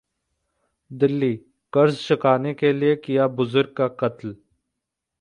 दिल्ली: कर्ज चुकाने के लिए किया बुज़ुर्ग का कत्ल